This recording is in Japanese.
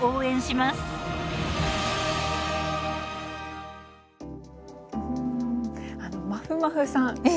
まふまふさん